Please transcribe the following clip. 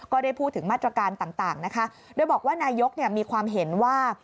ก็ได้พูดถึงมาตรการต่างนะคะโดยบอกว่านายกมีความเห็นว่า